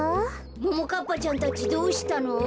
ももかっぱちゃんたちどうしたの？